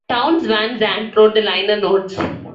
Townes Van Zandt wrote the liner notes.